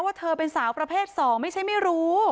เธอเป็นสาวประเภท๒ไม่ใช่ไม่รู้